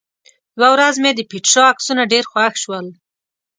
یوه ورځ مې د پېټرا عکسونه ډېر خوښ شول.